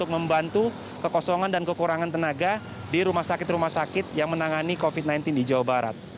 membantu kekosongan dan kekurangan tenaga di rumah sakit rumah sakit yang menangani covid sembilan belas di jawa barat